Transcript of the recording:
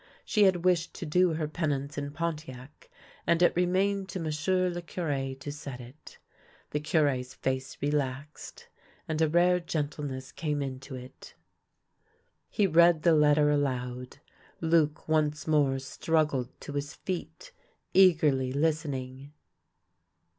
She had wished to do her pe nance in Pontiac, and it remained to m'sieu' le Cure to set it. The Cure's face relaxed, and a rare gentleness came into it. He read the letter aloud. Luc once more struggled to his feet, eagerly listening.